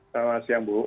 selamat siang bu